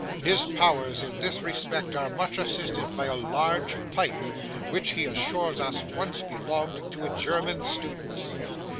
His powers in this respect are much assisted by a large pipe, which he assures us once belonged to a German Student.